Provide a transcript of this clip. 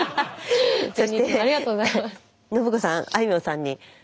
ありがとうございます。